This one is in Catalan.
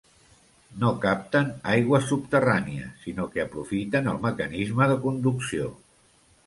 No capten aigua subterrània, sinó que aprofiten el mecanisme de conducció.